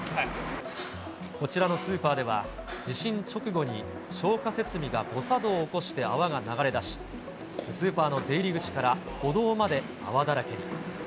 こちらのスーパーでは、地震直後に消火設備が誤作動を起こして泡が流れ出し、スーパーの出入り口から歩道まで泡だらけに。